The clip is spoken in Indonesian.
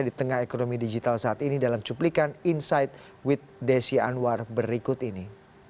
di tengah ekonomi digital saat ini dalam cuplikan insight with desi anwar berikut ini